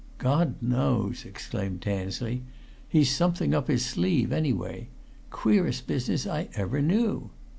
"God knows!" exclaimed Tansley. "He's something up his sleeve anyway. Queerest business ever I knew!